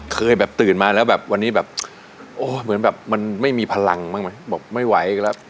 เคยแบบตื่นมาแล้วแบบวันนี้แบบโอ้เหมือนแบบมันไม่มีพลังบ้างไหมบอกไม่ไหวอีกแล้ว